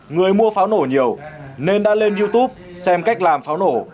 người mua pháo nổ nhiều nên đã lên youtube xem cách làm pháo nổ